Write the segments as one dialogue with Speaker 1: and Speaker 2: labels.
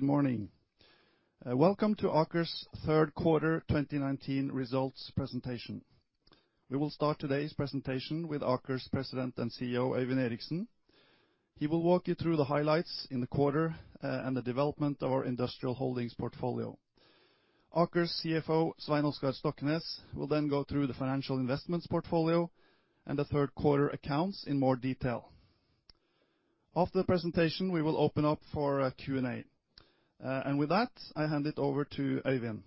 Speaker 1: Hello everyone, good morning. Welcome to Aker's third quarter 2019 results presentation. We will start today's presentation with Aker's President and CEO, Øyvind Eriksen. He will walk you through the highlights in the quarter and the development of our industrial holdings portfolio. Aker's CFO, Svein Oskar Stoknes, will then go through the financial investments portfolio and the third quarter accounts in more detail. After the presentation, we will open up for a Q&A. With that, I hand it over to Øyvind.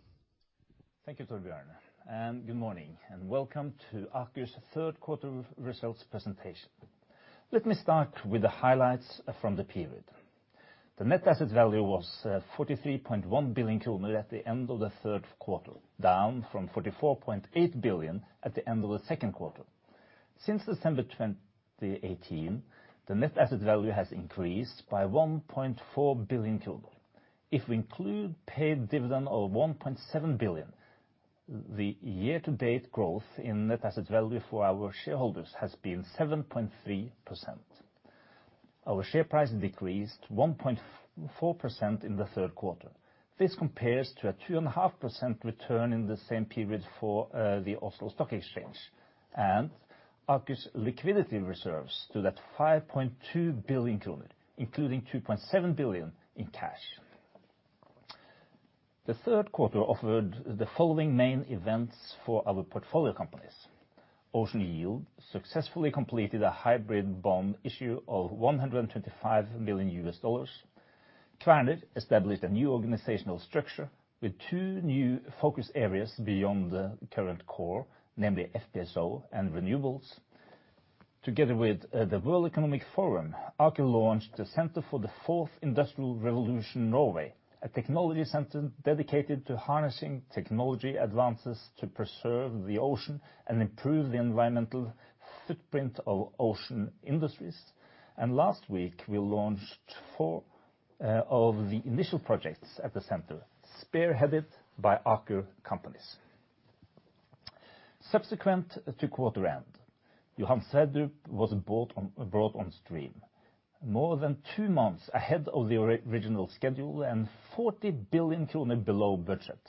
Speaker 2: Thank you, Torbjørn. Good morning, and welcome to Aker's third quarter results presentation. Let me start with the highlights from the period. The net asset value was 43.1 billion kroner at the end of the third quarter, down from 44.8 billion at the end of the second quarter. Since December 2018, the net asset value has increased by 1.4 billion. If we include paid dividend of 1.7 billion, the year-to-date growth in net asset value for our shareholders has been 7.3%. Our share price decreased 1.4% in the third quarter. This compares to a 2.5% return in the same period for the Oslo Stock Exchange. Aker's liquidity reserves stood at 5.2 billion kroner, including 2.7 billion in cash. The third quarter offered the following main events for our portfolio companies. Ocean Yield successfully completed a hybrid bond issue of $125 million. Kværner established a new organizational structure with two new focus areas beyond the current core, namely FPSO and renewables. Together with the World Economic Forum, Aker launched the Centre for the Fourth Industrial Revolution Norway, a technology center dedicated to harnessing technology advances to preserve the ocean and improve the environmental footprint of ocean industries. Last week, we launched four of the initial projects at the center, spearheaded by Aker companies. Subsequent to quarter end, Johan Sverdrup was brought on stream more than two months ahead of the original schedule and 40 billion kroner below budget.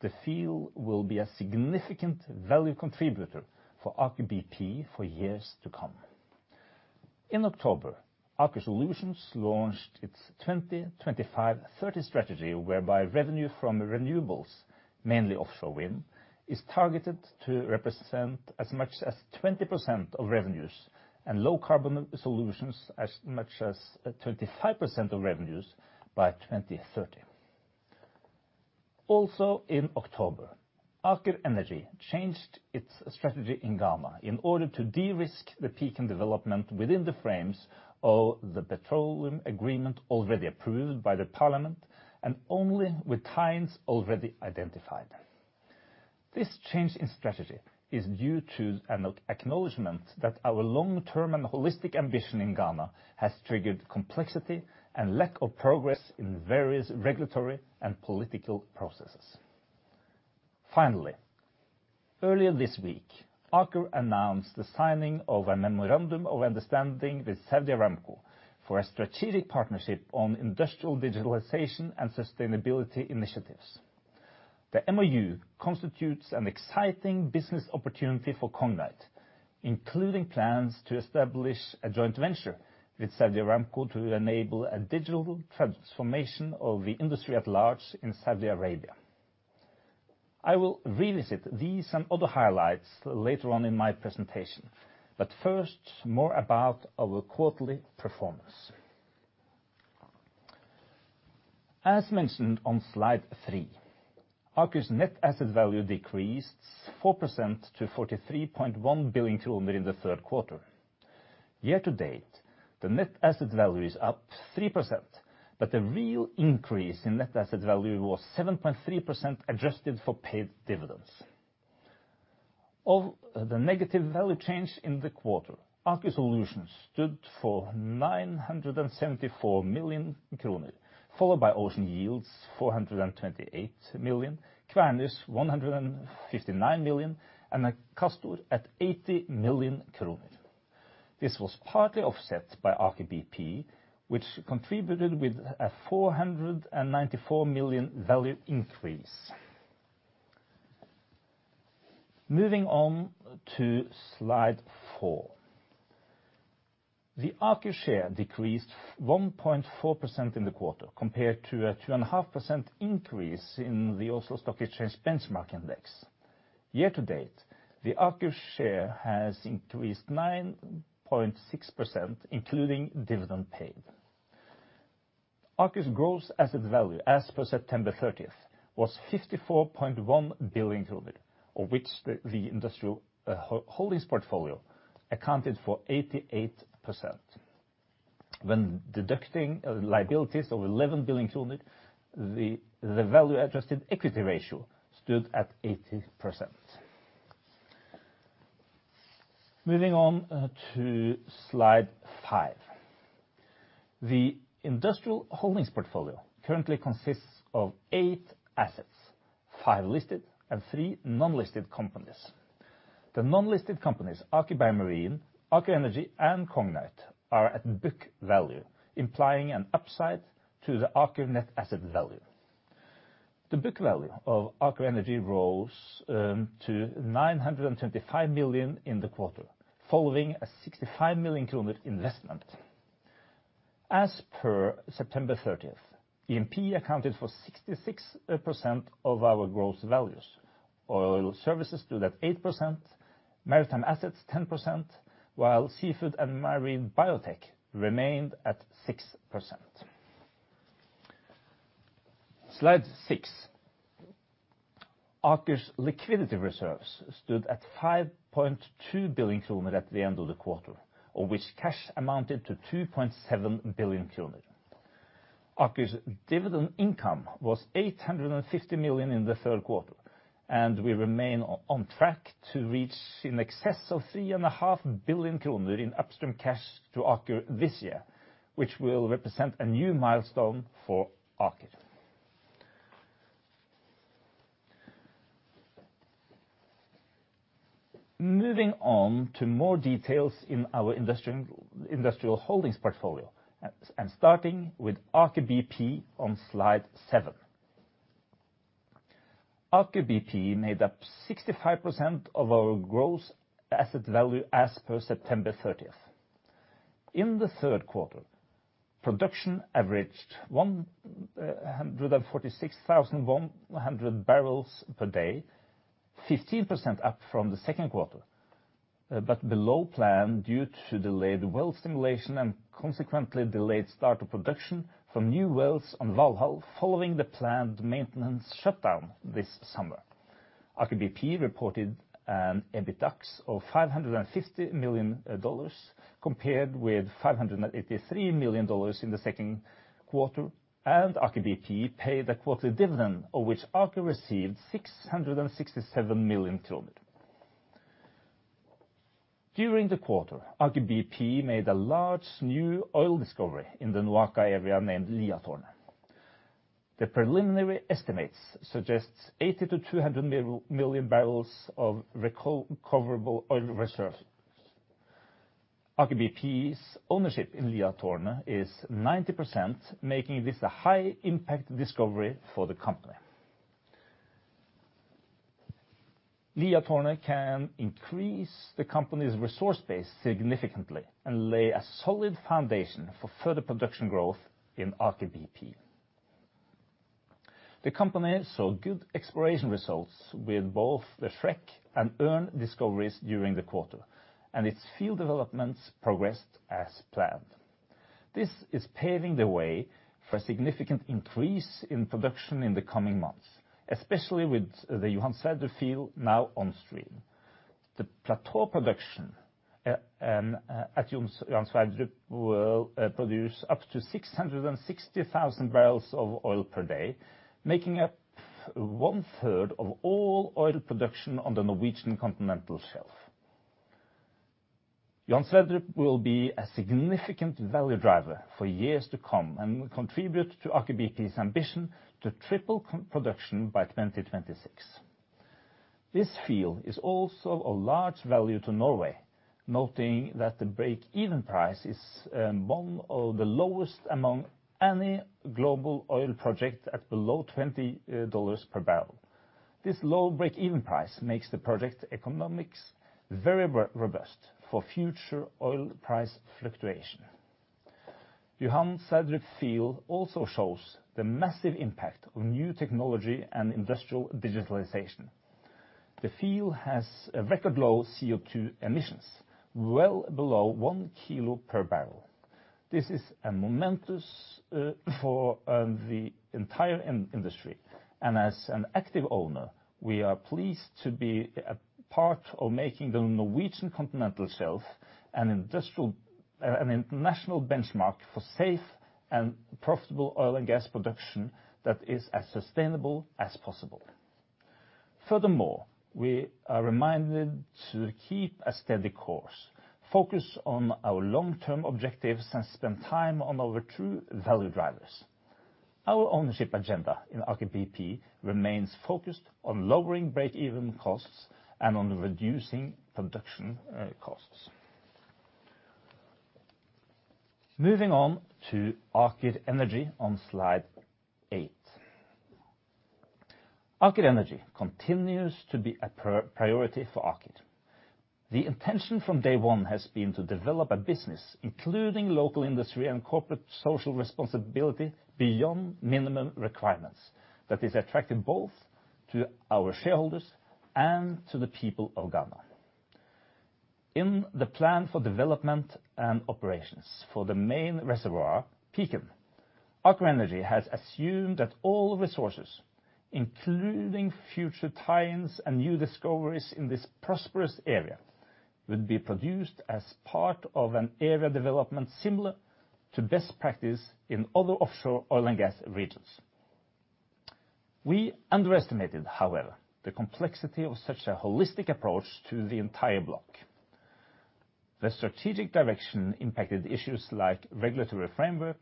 Speaker 2: The field will be a significant value contributor for Aker BP for years to come. In October, Aker Solutions launched its 2025-30 strategy, whereby revenue from renewables, mainly offshore wind, is targeted to represent as much as 20% of revenues and low carbon solutions as much as 25% of revenues by 2030. Also in October, Aker Energy changed its strategy in Ghana in order to de-risk the peak in development within the frames of the petroleum agreement already approved by the Parliament and only with tides already identified. This change in strategy is due to an acknowledgment that our long-term and holistic ambition in Ghana has triggered complexity and lack of progress in various regulatory and political processes. Finally, earlier this week, Aker announced the signing of a memorandum of understanding with Saudi Aramco for a strategic partnership on industrial digitalization and sustainability initiatives. The MoU constitutes an exciting business opportunity for Kongsberg, including plans to establish a joint venture with Saudi Aramco to enable a digital transformation of the industry at large in Saudi Arabia. First, more about our quarterly performance. As mentioned on slide three, Aker's net asset value decreased 4% to 43.1 billion kroner in the third quarter. Year to date, the net asset value is up 3%, the real increase in net asset value was 7.3% adjusted for paid dividends. Of the negative value change in the quarter, Aker Solutions stood for 974 million kroner, followed by Ocean Yield's 428 million, Kværner's 159 million, and Akastor at 80 million kroner. This was partly offset by Aker BP, which contributed with a 494 million value increase. Moving on to slide four. The Aker share decreased 1.4% in the quarter, compared to a 2.5% increase in the Oslo Stock Exchange benchmark index. Year to date, the Aker share has increased 9.6%, including dividend paid. Aker's gross asset value as per September 30th, was 54.1 billion, of which the industrial holdings portfolio accounted for 88%. When deducting liabilities of 11 billion, the value-adjusted equity ratio stood at 80%. Moving on to slide five. The industrial holdings portfolio currently consists of eight assets, five listed and three non-listed companies. The non-listed companies, Aker BioMarine, Aker Energy, and Cognite, are at book value, implying an upside to the Aker net asset value. The book value of Aker Energy rose to 925 million in the quarter following a 65 million kroner investment. As per September 30th, E&P accounted for 66% of our gross values. Oil services stood at 8%, maritime assets 10%, while seafood and marine biotech remained at 6%. Slide six. Aker's liquidity reserves stood at 5.2 billion kroner at the end of the quarter, of which cash amounted to 2.7 billion kroner. Aker's dividend income was 850 million in the third quarter. We remain on track to reach in excess of 3.5 billion kroner in upstream cash to Aker this year, which will represent a new milestone for Aker. Moving on to more details in our industrial holdings portfolio, starting with Aker BP on Slide seven. Aker BP made up 65% of our gross asset value as per September 30th. In the third quarter, production averaged 146,100 barrels per day, 15% up from the second quarter, but below plan due to delayed well stimulation and consequently delayed start of production from new wells on Valhall following the planned maintenance shutdown this summer. Aker BP reported an EBITDA of $550 million compared with $583 million in the second quarter. Aker BP paid a quarterly dividend, of which Aker received 667 million. During the quarter, Aker BP made a large new oil discovery in the Nordkapp area named Liatårnet. The preliminary estimates suggest 80 to 200 million barrels of recoverable oil reserves. Aker BP's ownership in Liatårnet is 90%, making this a high-impact discovery for the company. Liatårnet can increase the company's resource base significantly and lay a solid foundation for further production growth in Aker BP. The company saw good exploration results with both the Shrek and Ørn discoveries during the quarter. Its field developments progressed as planned. This is paving the way for a significant increase in production in the coming months, especially with the Johan Sverdrup field now on stream. The plateau production at Johan Sverdrup will produce up to 660,000 barrels of oil per day, making up one-third of all oil production on the Norwegian continental shelf. Johan Sverdrup will be a significant value driver for years to come and contribute to Aker BP's ambition to triple production by 2026. This field is also a large value to Norway, noting that the break-even price is one of the lowest among any global oil project at below NOK 20 per barrel. This low break-even price makes the project economics very robust for future oil price fluctuation. Johan Sverdrup field also shows the massive impact of new technology and industrial digitalization. The field has a record low CO2 emissions, well below one kilo per barrel. This is momentous for the entire industry, and as an active owner, we are pleased to be a part of making the Norwegian Continental Shelf an international benchmark for safe and profitable oil and gas production that is as sustainable as possible. Furthermore, we are reminded to keep a steady course, focus on our long-term objectives, and spend time on our true value drivers. Our ownership agenda in Aker BP remains focused on lowering break-even costs and on reducing production costs. Moving on to Aker Energy on Slide eight. Aker Energy continues to be a priority for Aker. The intention from day one has been to develop a business, including local industry and corporate social responsibility, beyond minimum requirements that is attractive both to our shareholders and to the people of Ghana. In the plan for development and operations for the main reservoir, Pecan, Aker Energy has assumed that all resources, including future tie-ins and new discoveries in this prosperous area, will be produced as part of an area development similar to best practice in other offshore oil and gas regions. We underestimated, however, the complexity of such a holistic approach to the entire block. The strategic direction impacted issues like regulatory framework,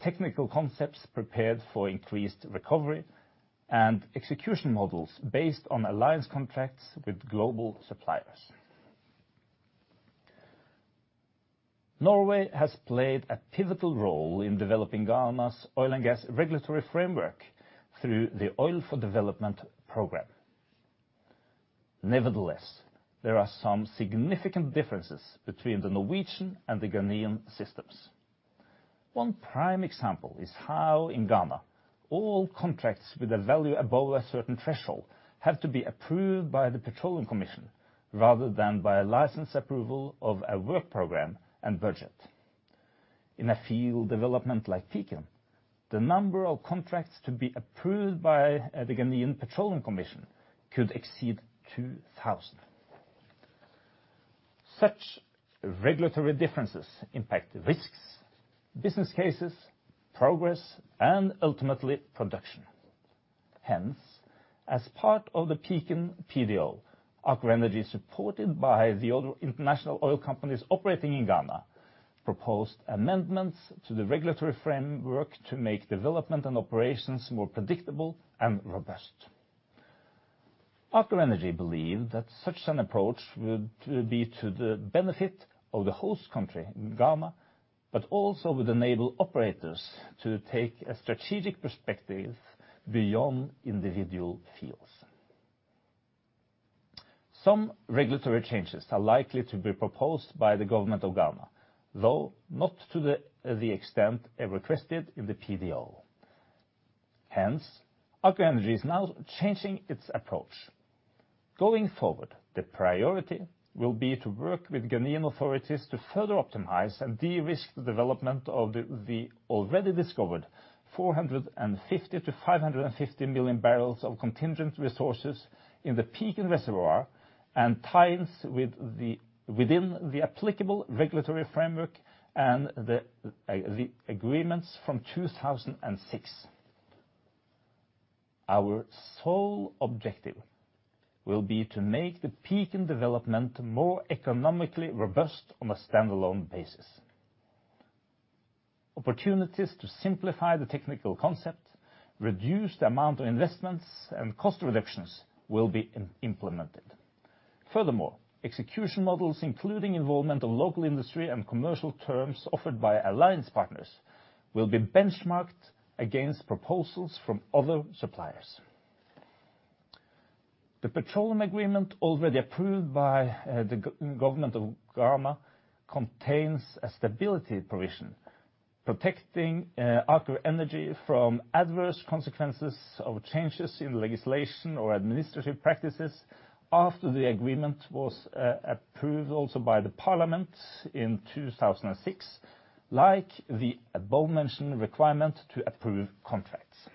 Speaker 2: technical concepts prepared for increased recovery, and execution models based on alliance contracts with global suppliers. Norway has played a pivotal role in developing Ghana's oil and gas regulatory framework through the Oil for Development program. Nevertheless, there are some significant differences between the Norwegian and the Ghanaian systems. One prime example is how in Ghana, all contracts with a value above a certain threshold have to be approved by the Petroleum Commission rather than by a licensed approval of a work program and budget. In a field development like Pecan, the number of contracts to be approved by the Ghanaian Petroleum Commission could exceed 2,000. Such regulatory differences impact risks, business cases, progress, and ultimately production. Hence, as part of the Pecan PDO, Aker Energy, supported by the other international oil companies operating in Ghana, proposed amendments to the regulatory framework to make development and operations more predictable and robust. Aker Energy believed that such an approach would be to the benefit of the host country, Ghana, but also would enable operators to take a strategic perspective beyond individual fields. Some regulatory changes are likely to be proposed by the government of Ghana, though not to the extent requested in the PDO. Hence, Aker Energy is now changing its approach. Going forward, the priority will be to work with Ghanaian authorities to further optimize and de-risk the development of the already discovered 450 to 550 million barrels of contingent resources in the Pecan reservoir and ties within the applicable regulatory framework and the agreements from 2006. Our sole objective will be to make the Pecan development more economically robust on a standalone basis. Opportunities to simplify the technical concept, reduce the amount of investments, and cost reductions will be implemented. Furthermore, execution models, including involvement of local industry and commercial terms offered by alliance partners, will be benchmarked against proposals from other suppliers. The petroleum agreement already approved by the government of Ghana contains a stability provision protecting Aker Energy from adverse consequences of changes in legislation or administrative practices after the agreement was approved also by the parliament in 2006, like the above-mentioned requirement to approve contracts.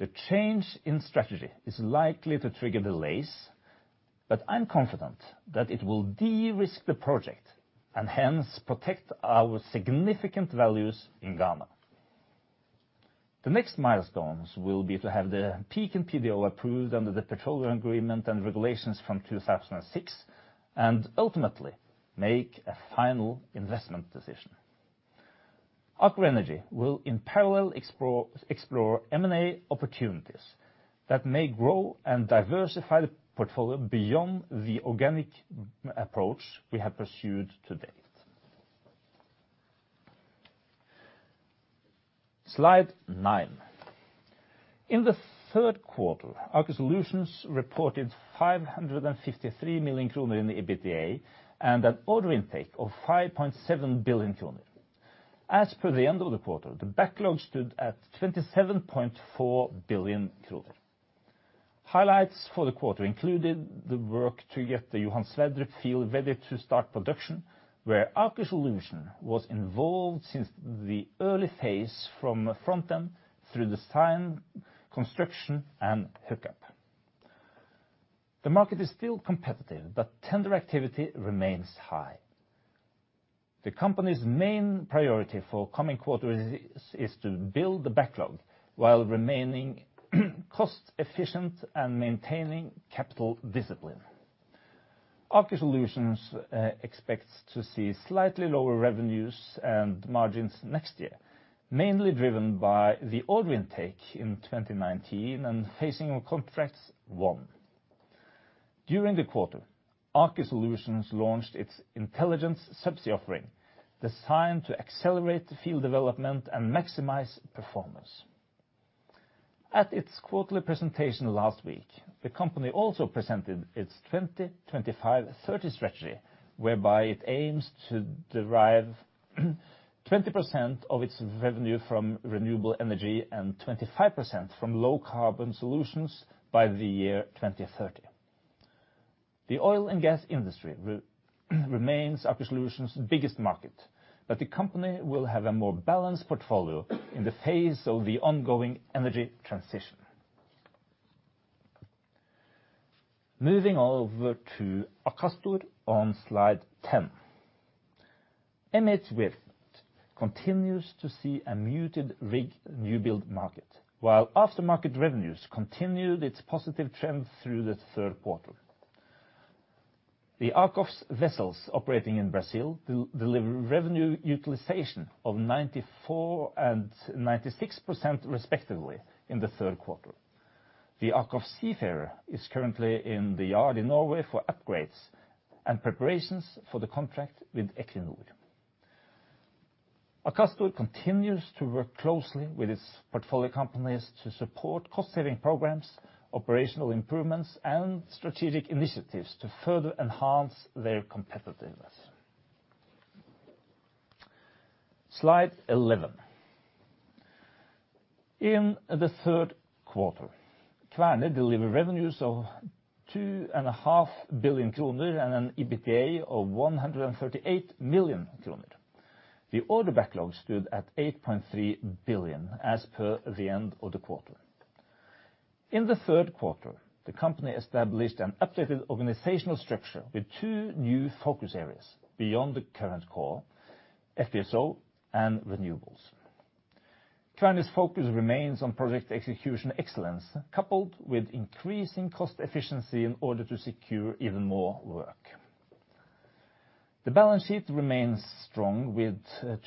Speaker 2: The change in strategy is likely to trigger delays, but I'm confident that it will de-risk the project and hence protect our significant values in Ghana. The next milestones will be to have the Pecan PDO approved under the petroleum agreement and regulations from 2006 and ultimately make a final investment decision. Aker Energy will, in parallel, explore M&A opportunities that may grow and diversify the portfolio beyond the organic approach we have pursued to date. Slide nine. In the third quarter, Aker Solutions reported 553 million kroner in EBITDA and an order intake of 5.7 billion kroner. As per the end of the quarter, the backlog stood at 27.4 billion kroner. Highlights for the quarter included the work to get the Johan Sverdrup field ready to start production, where Aker Solutions was involved since the early phase from the front end through design, construction, and hookup. The market is still competitive, but tender activity remains high. The company's main priority for coming quarters is to build the backlog while remaining cost-efficient and maintaining capital discipline. Aker Solutions expects to see slightly lower revenues and margins next year, mainly driven by the order intake in 2019 and phasing of contracts won. During the quarter, Aker Solutions launched its intelligent subsea offering, designed to accelerate field development and maximize performance. At its quarterly presentation last week, the company also presented its 2025-2030 strategy, whereby it aims to derive 20% of its revenue from renewable energy and 25% from low-carbon solutions by the year 2030. The oil and gas industry remains Aker Solutions' biggest market, but the company will have a more balanced portfolio in the face of the ongoing energy transition. Moving over to Aker Stord on slide 10, MHWirth continues to see a muted rig newbuild market, while aftermarket revenues continued its positive trend through the third quarter. Aker's vessels operating in Brazil deliver revenue utilization of 94% and 96%, respectively, in the third quarter. The AKOFS Seafarer is currently in the yard in Norway for upgrades and preparations for the contract with Equinor. Aker Stord continues to work closely with its portfolio companies to support cost-saving programs, operational improvements, and strategic initiatives to further enhance their competitiveness. Slide 11. In the third quarter, Kværner delivered revenues of 2.5 billion kroner and an EBITDA of 138 million kroner. The order backlog stood at 8.3 billion as per the end of the quarter. In the third quarter, the company established an updated organizational structure with two new focus areas beyond the current core, FPSO and renewables. Kværner's focus remains on project execution excellence, coupled with increasing cost efficiency in order to secure even more work. The balance sheet remains strong, with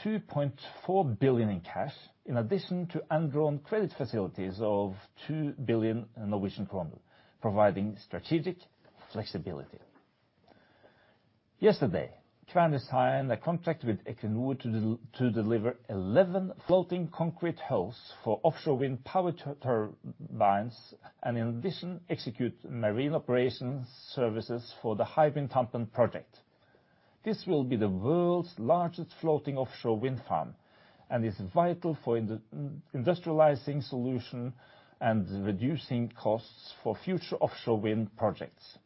Speaker 2: 2.4 billion in cash, in addition to undrawn credit facilities of 2 billion Norwegian kroner, providing strategic flexibility. Yesterday, Kværner signed a contract with Equinor to deliver 11 floating concrete holes for offshore wind power turbines and, in addition, execute marine operations services for the Hywind Tampen project. This will be the world's largest floating offshore wind farm and is vital for industrializing solution and reducing costs for future offshore wind projects.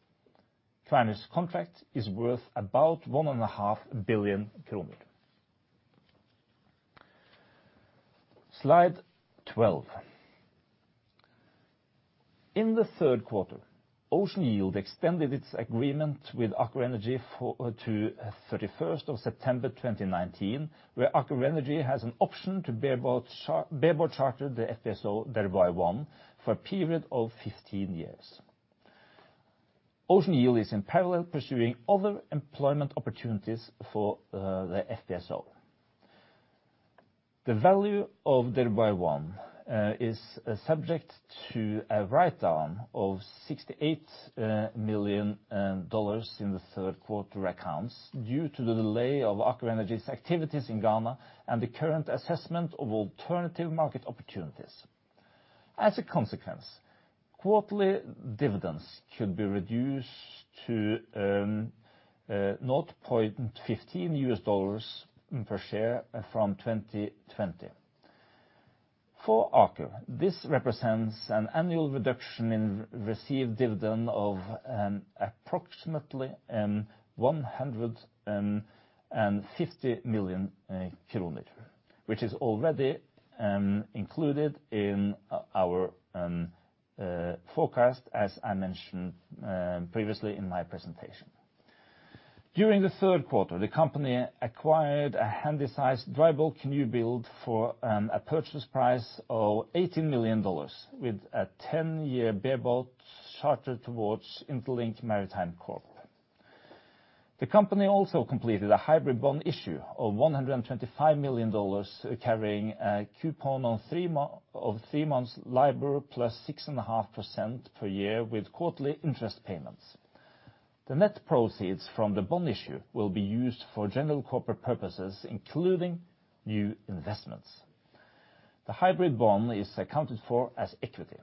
Speaker 2: Kværner's contract is worth about 1.5 billion kroner. Slide 12. In the third quarter, Ocean Yield extended its agreement with Aker Energy to 31st of December 2019, where Aker Energy has an option to bareboat charter the FPSO Dhirubhai-1 for a period of 15 years. Ocean Yield is in parallel pursuing other employment opportunities for the FPSO. The value of Dhirubhai-1 is subject to a write-down of $68 million in the third quarter accounts due to the delay of Aker Energy's activities in Ghana and the current assessment of alternative market opportunities. As a consequence, quarterly dividends should be reduced to $0.15 per share from 2020. For Aker, this represents an annual reduction in received dividend of an approximately 150 million kroner, which is already included in our forecast, as I mentioned previously in my presentation. During the third quarter, the company acquired a handy-sized dry bulk newbuild for a purchase price of $18 million, with a 10-year bareboat charter towards Interlink Maritime Corp. The company also completed a hybrid bond issue of $125 million, carrying a coupon of 3 months LIBOR plus 6.5% per year with quarterly interest payments. The net proceeds from the bond issue will be used for general corporate purposes, including new investments. The hybrid bond is accounted for as equity.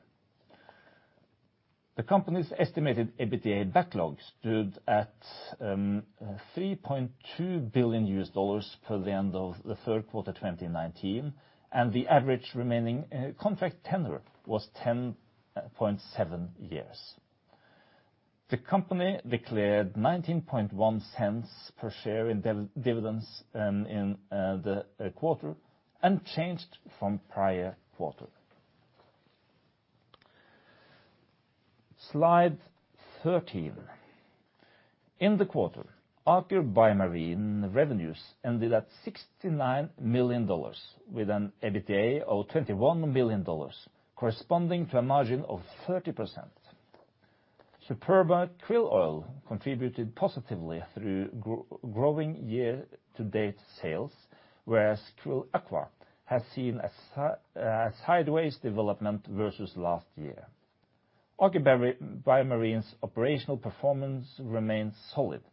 Speaker 2: The company's estimated EBITDA backlog stood at $3.2 billion per the end of the third quarter 2019, and the average remaining contract tenure was 10.7 years. The company declared $0.191 per share in dividends in the quarter, unchanged from prior quarter. Slide 13. In the quarter, Aker BioMarine revenues ended at $69 million, with an EBITDA of $21 million, corresponding to a margin of 30%. Superba krill oil contributed positively through growing year-to-date sales, whereas QRILL Aqua has seen a sideways development versus last year. Aker BioMarine's operational performance remains solid,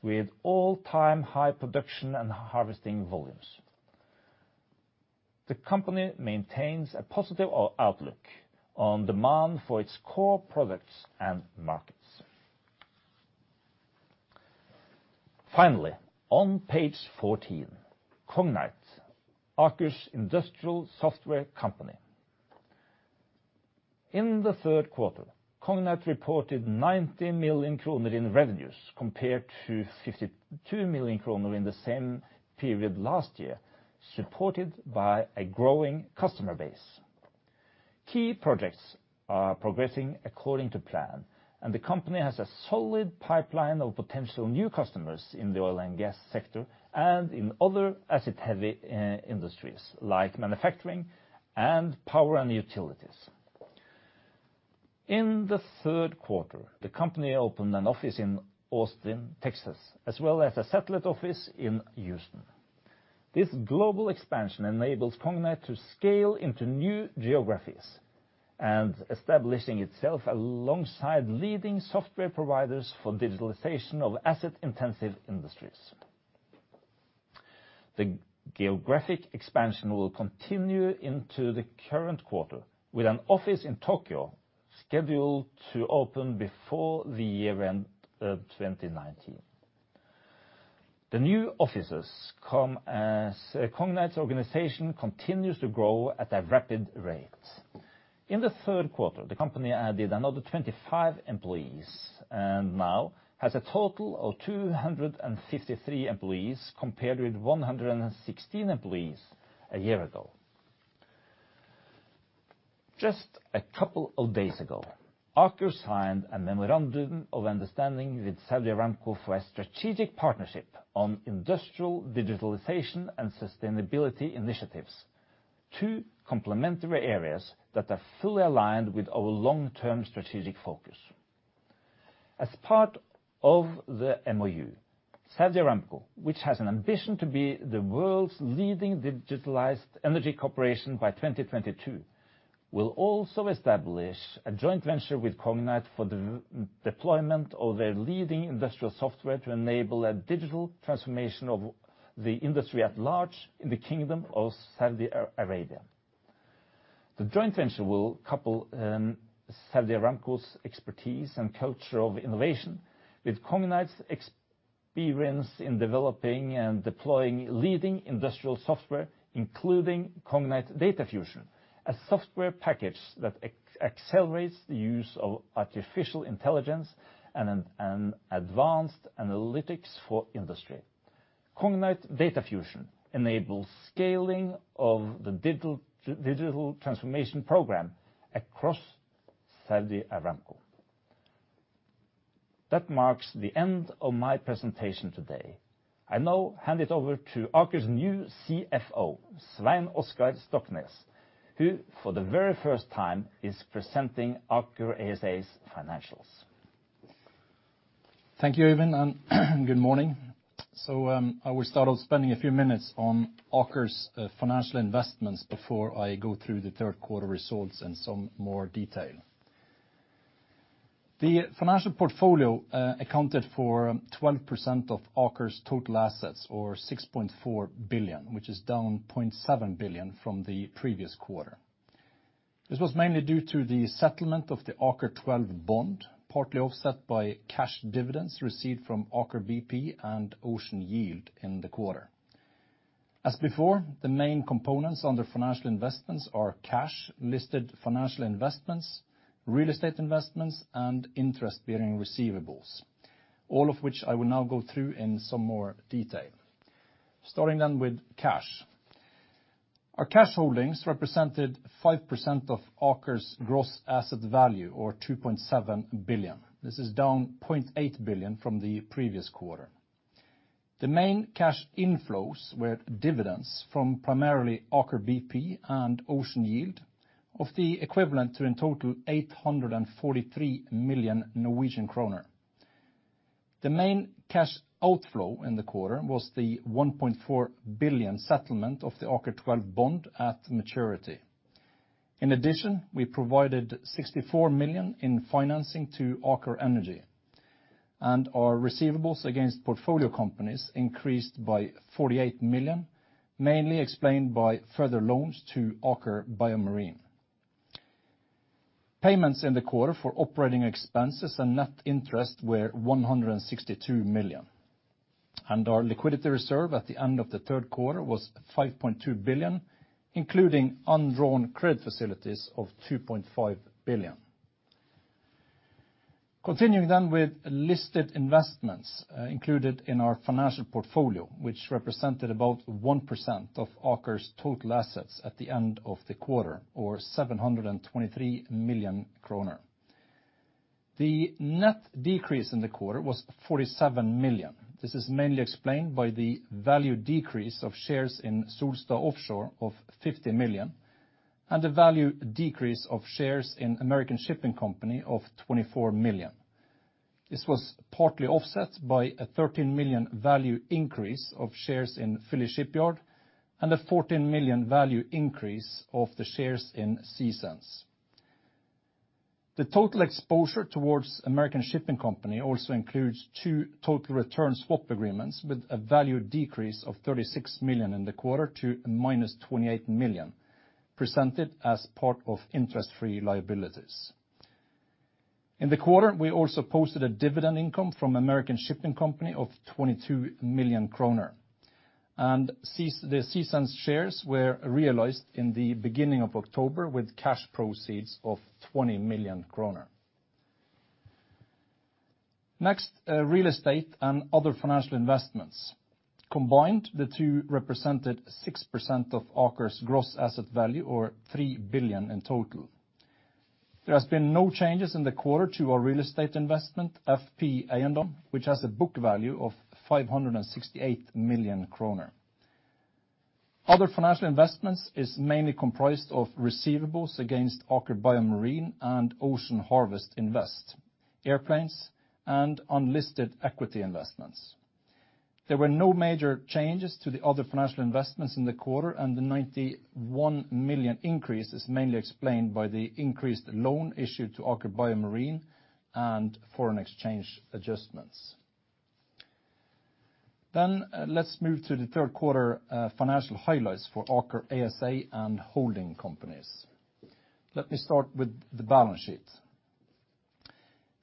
Speaker 2: with all-time high production and harvesting volumes. The company maintains a positive outlook on demand for its core products and markets. Finally, on page 14, Cognite, Aker's industrial software company. In the third quarter, Cognite reported 90 million kroner in revenues compared to 52 million kroner in the same period last year, supported by a growing customer base. Key projects are progressing according to plan, and the company has a solid pipeline of potential new customers in the oil and gas sector and in other asset-heavy industries like manufacturing and power and utilities. In the third quarter, the company opened an office in Austin, Texas, as well as a satellite office in Houston. This global expansion enables Cognite to scale into new geographies and establishing itself alongside leading software providers for digitalization of asset-intensive industries. The geographic expansion will continue into the current quarter, with an office in Tokyo scheduled to open before the year-end 2019. The new offices come as Cognite's organization continues to grow at a rapid rate. In the third quarter, the company added another 25 employees and now has a total of 253 employees, compared with 116 employees a year ago. Just a couple of days ago, Aker signed a memorandum of understanding with Saudi Aramco for a strategic partnership on industrial digitalization and sustainability initiatives, two complementary areas that are fully aligned with our long-term strategic focus. As part of the MoU, Saudi Aramco, which has an ambition to be the world's leading digitalized energy corporation by 2022, will also establish a joint venture with Cognite for the deployment of their leading industrial software to enable a digital transformation of the industry at large in the Kingdom of Saudi Arabia. The joint venture will couple Saudi Aramco's expertise and culture of innovation with Cognite's experience in developing and deploying leading industrial software, including Cognite Data Fusion, a software package that accelerates the use of artificial intelligence and advanced analytics for industry. Cognite Data Fusion enables scaling of the digital transformation program across Saudi Aramco. That marks the end of my presentation today. I now hand it over to Aker's new CFO, Svein Oskar Stoknes, who, for the very first time, is presenting Aker ASA's financials.
Speaker 3: Thank you, Even, and good morning. I will start off spending a few minutes on Aker's financial investments before I go through the third quarter results in some more detail. The financial portfolio accounted for 12% of Aker's total assets, or 6.4 billion, which is down 0.7 billion from the previous quarter. This was mainly due to the settlement of the AKER12 bond, partly offset by cash dividends received from Aker BP and Ocean Yield in the quarter. As before, the main components under financial investments are cash, listed financial investments, real estate investments, and interest-bearing receivables, all of which I will now go through in some more detail. Starting with cash. Our cash holdings represented 5% of Aker's gross asset value, or 2.7 billion. This is down 0.8 billion from the previous quarter. The main cash inflows were dividends from primarily Aker BP and Ocean Yield of the equivalent to, in total, 843 million Norwegian kroner. The main cash outflow in the quarter was the 1.4 billion settlement of the AKER12 bond at maturity. In addition, we provided 64 million in financing to Aker Energy, and our receivables against portfolio companies increased by 48 million, mainly explained by further loans to Aker BioMarine. Payments in the quarter for operating expenses and net interest were 162 million, and our liquidity reserve at the end of the third quarter was 5.2 billion, including undrawn credit facilities of 2.5 billion. Continuing with listed investments included in our financial portfolio, which represented about 1% of Aker's total assets at the end of the quarter, or 723 million kroner. The net decrease in the quarter was 47 million. This is mainly explained by the value decrease of shares in Solstad Offshore of 50 million and the value decrease of shares in American Shipping Company of 24 million. This was partly offset by a 13 million value increase of shares in Philly Shipyard and a 14 million value increase of the shares in Sea Sense. The total exposure towards American Shipping Company also includes two total return swap agreements with a value decrease of 36 million in the quarter to minus 28 million, presented as part of interest-free liabilities. The Sea Sense shares were realized in the beginning of October with cash proceeds of 20 million kroner. Next, real estate and other financial investments. Combined, the two represented 6% of Aker's gross asset value, or 3 billion in total. There has been no changes in the quarter to our real estate investment, FP Eiendom, which has a book value of 568 million kroner. Other financial investments is mainly comprised of receivables against Aker BioMarine and Aker Ocean Harvest, airplanes, and unlisted equity investments. There were no major changes to the other financial investments in the quarter, and the 91 million increase is mainly explained by the increased loan issue to Aker BioMarine and foreign exchange adjustments. Let's move to the third quarter financial highlights for Aker ASA and holding companies. Let me start with the balance sheet.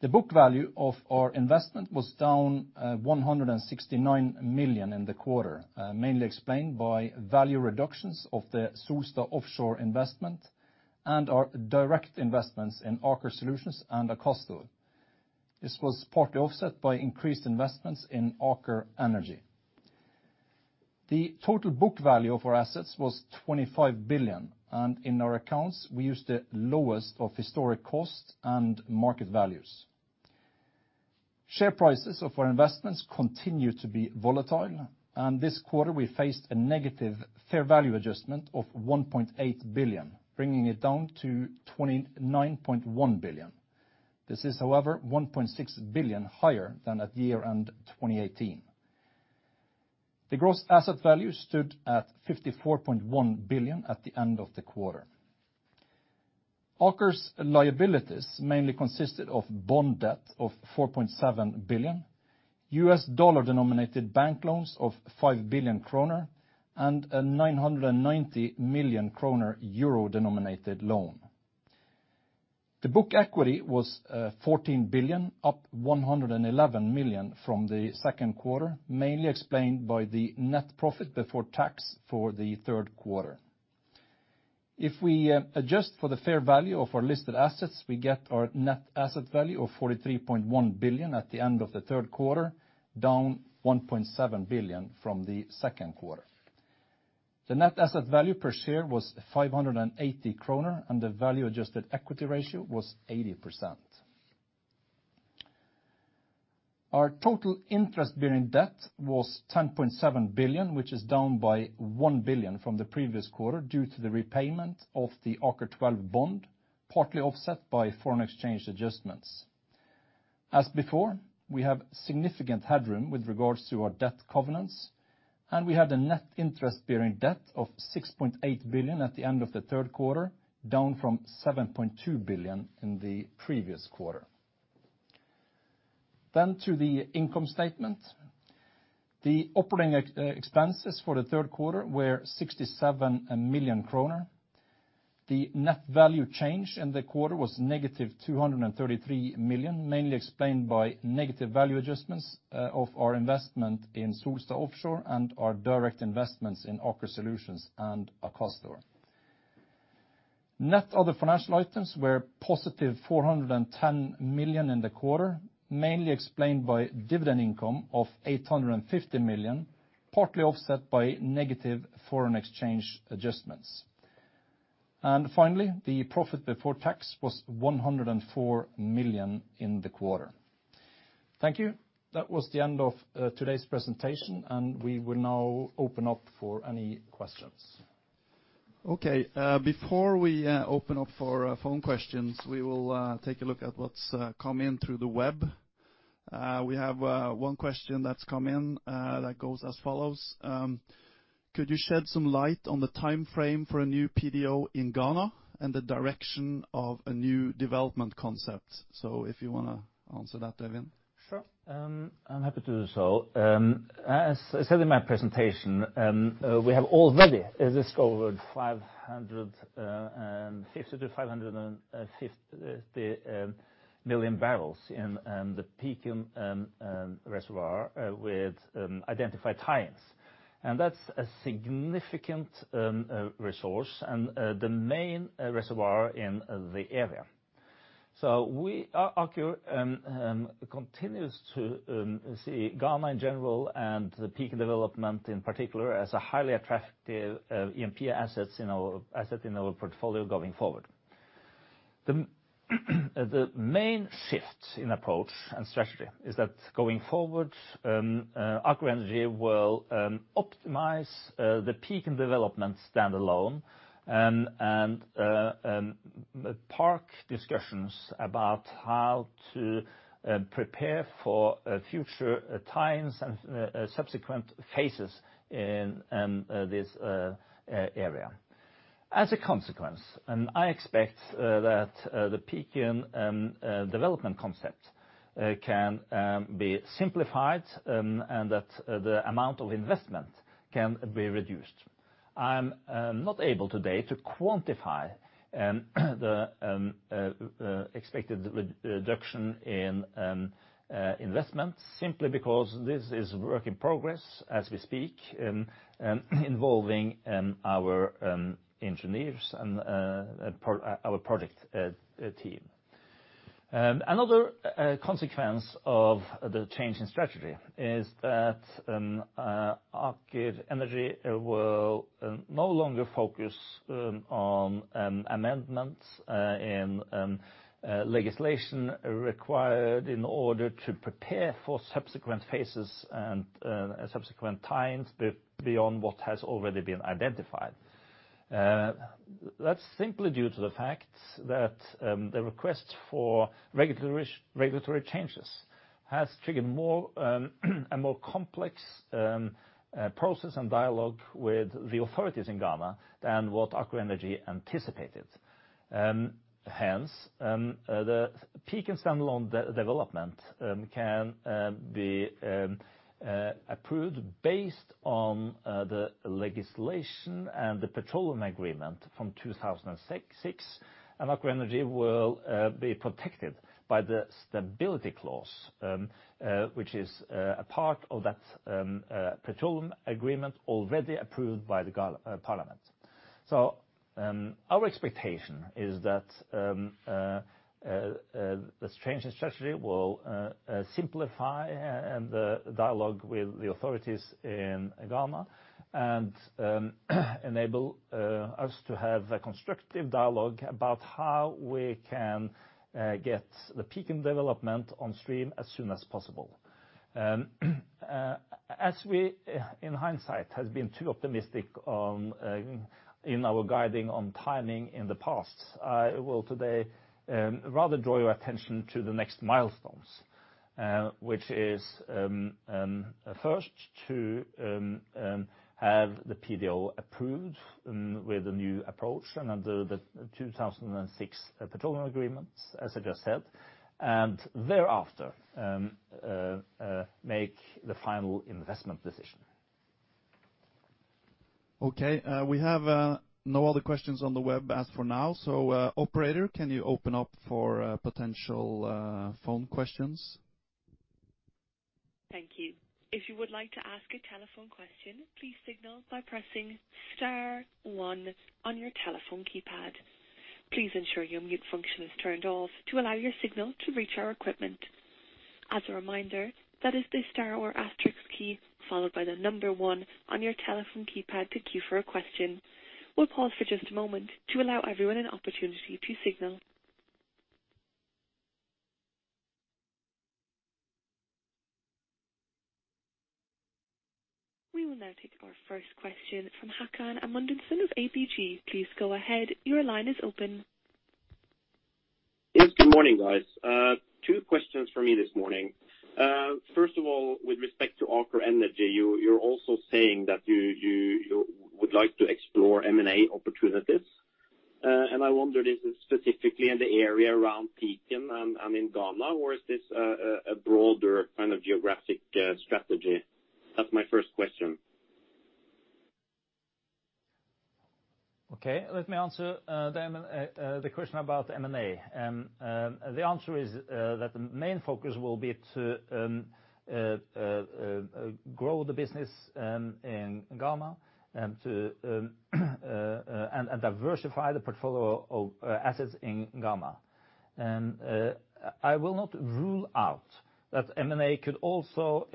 Speaker 3: The book value of our investment was down 169 million in the quarter, mainly explained by value reductions of the Solstad Offshore investment and our direct investments in Aker Solutions and Akastor. This was partly offset by increased investments in Aker Energy. The total book value of our assets was 25 billion, and in our accounts, we used the lowest of historic cost and market values. Share prices of our investments continue to be volatile, and this quarter we faced a negative fair value adjustment of 1.8 billion, bringing it down to 29.1 billion. This is, however, 1.6 billion higher than at year-end 2018. The gross asset value stood at 54.1 billion at the end of the quarter. Aker's liabilities mainly consisted of bond debt of 4.7 billion, U.S. dollar-denominated bank loans of 5 billion kroner, and a 990 million kroner euro-denominated loan. The book equity was 14 billion, up 111 million from the second quarter, mainly explained by the net profit before tax for the third quarter. If we adjust for the fair value of our listed assets, we get our net asset value of 43.1 billion at the end of the third quarter, down 1.7 billion from the second quarter. The net asset value per share was 580 kroner, and the value adjusted equity ratio was 80%. Our total interest bearing debt was 10.7 billion, which is down by 1 billion from the previous quarter due to the repayment of the AKER12 bond, partly offset by foreign exchange adjustments. As before, we have significant headroom with regards to our debt covenants, and we had a net interest bearing debt of 6.8 billion at the end of the third quarter, down from 7.2 billion in the previous quarter. To the income statement. The operating expenses for the third quarter were 67 million kroner. The net value change in the quarter was negative 233 million, mainly explained by negative value adjustments of our investment in Solstad Offshore and our direct investments in Aker Solutions and Akastor. Net other financial items were positive 410 million in the quarter, mainly explained by dividend income of 850 million, partly offset by negative foreign exchange adjustments. Finally, the profit before tax was 104 million in the quarter. Thank you. That was the end of today's presentation, and we will now open up for any questions.
Speaker 1: Okay. Before we open up for phone questions, we will take a look at what's come in through the web. We have one question that's come in that goes as follows. Could you shed some light on the timeframe for a new PDO in Ghana and the direction of a new development concept? If you want to answer that, Øyvind.
Speaker 2: Sure. I'm happy to do so. As I said in my presentation, we have already discovered 550 to 550 million barrels in the Pike reservoir with identified tie-ins, and that's a significant resource and the main reservoir in the area. Aker continues to see Ghana in general and the Pike development in particular as a highly attractive asset in our portfolio going forward. The main shift in approach and strategy is that going forward, Aker Energy will optimize the Pike development standalone and park discussions about how to prepare for future tie-ins and subsequent phases in this area. As a consequence, I expect that the Pike development concept can be simplified and that the amount of investment can be reduced. I'm not able today to quantify the expected reduction in investment simply because this is a work in progress as we speak, involving our engineers and our project team. Another consequence of the change in strategy is that Aker Energy will no longer focus on amendments in legislation required in order to prepare for subsequent phases and subsequent times beyond what has already been identified. That's simply due to the fact that the request for regulatory changes has triggered a more complex process and dialogue with the authorities in Ghana than what Aker Energy anticipated. Hence, the Pike standalone development can be approved based on the legislation and the petroleum agreement from 2006, and Aker Energy will be protected by the stability clause, which is a part of that petroleum agreement already approved by the Ghana Parliament. Our expectation is that this change in strategy will simplify the dialogue with the authorities in Ghana and enable us to have a constructive dialogue about how we can get the Pecan development on stream as soon as possible. As we, in hindsight, have been too optimistic in our guiding on timing in the past, I will today rather draw your attention to the next milestones, which is first to have the PDO approved with the new approach and under the 2006 Petroleum Agreements, as I just said, and thereafter, make the final investment decision.
Speaker 1: Okay. We have no other questions on the web as for now. Operator, can you open up for potential phone questions?
Speaker 4: Thank you. If you would like to ask a telephone question, please signal by pressing star one on your telephone keypad. Please ensure your mute function is turned off to allow your signal to reach our equipment. As a reminder, that is the star or asterisk key, followed by the number one on your telephone keypad to queue for a question. We will pause for just a moment to allow everyone an opportunity to signal. We will now take our first question from Håkon Amundsen of ABG. Please go ahead. Your line is open.
Speaker 5: Yes, good morning, guys. Two questions for me this morning. First of all, with respect to Aker Energy, you are also saying that you would like to explore M&A opportunities. I wonder, is this specifically in the area around Pecan in Ghana or is this a broader kind of geographic strategy? That's my first question.
Speaker 2: Okay. Let me answer the question about M&A. The answer is that the main focus will be to grow the business in Ghana and diversify the portfolio of assets in Ghana. I will not rule out that M&A could also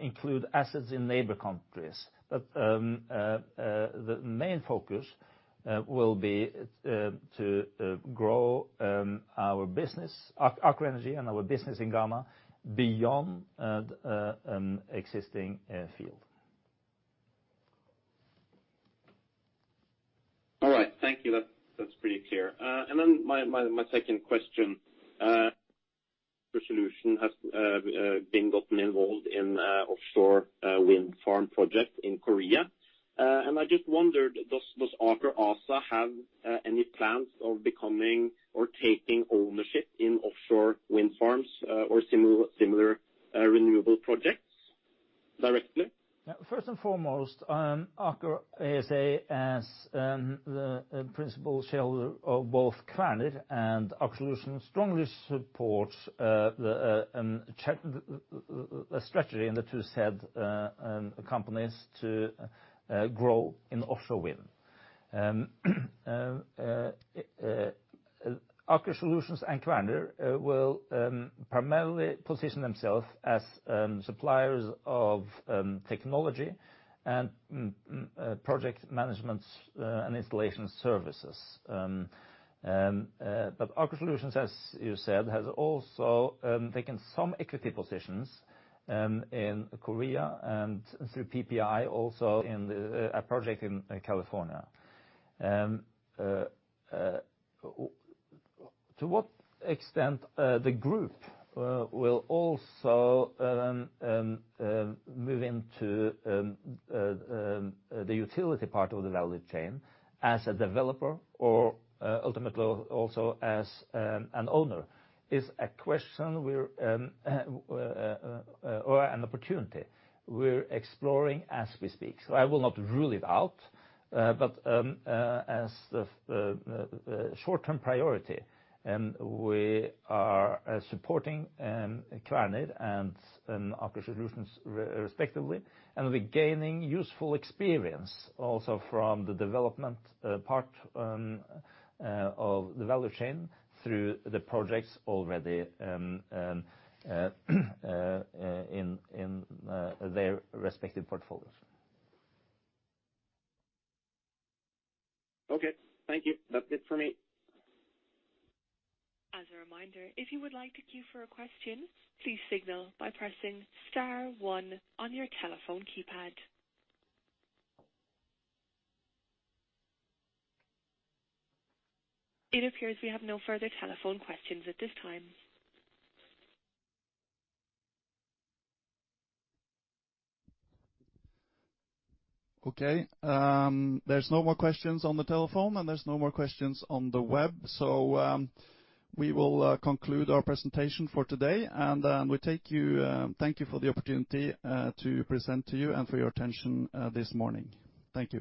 Speaker 2: include assets in neighbor countries, but the main focus will be to grow our business, Aker Energy, and our business in Ghana beyond existing field.
Speaker 5: Thank you. That's pretty clear. My second question. Aker Solutions has been gotten involved in offshore wind farm projects in Korea. I just wondered, does Aker ASA have any plans of becoming or taking ownership in offshore wind farms or similar renewable projects directly?
Speaker 2: First and foremost, Aker ASA, as the principal shareholder of both Kværner and Aker Solutions, strongly supports a strategy in the two said companies to grow in offshore wind. Aker Solutions and Kværner will primarily position themselves as suppliers of technology and project management and installation services. Aker Solutions, as you said, has also taken some equity positions in Korea and through PPI also in a project in California. To what extent the group will also move into the utility part of the value chain as a developer or ultimately also as an owner is a question or an opportunity we're exploring as we speak. I will not rule it out. As the short-term priority, we are supporting Kværner and Aker Solutions respectively, and we're gaining useful experience also from the development part of the value chain through the projects already in their respective portfolios.
Speaker 5: Okay. Thank you. That's it for me.
Speaker 4: As a reminder, if you would like to queue for a question, please signal by pressing star one on your telephone keypad. It appears we have no further telephone questions at this time.
Speaker 1: Okay. There's no more questions on the telephone, and there's no more questions on the web. We will conclude our presentation for today. We thank you for the opportunity to present to you and for your attention this morning. Thank you